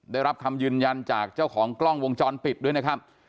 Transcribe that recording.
ได้รับคำยืนยันจากเจ้าของกล้องวงจรปิดด้วยนะครับ